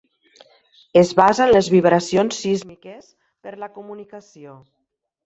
Es basa en les vibracions sísmiques per la comunicació.